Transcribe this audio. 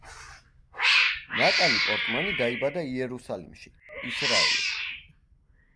ნატალი პორტმანი დაიბადა იერუსალიმში, ისრაელი.